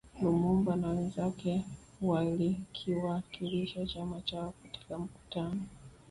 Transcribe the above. Lumumba na wenzake walikiwakilisha chama chao katika mkutano